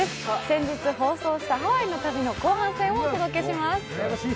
先日放送したハワイの旅の後半戦をお届けします。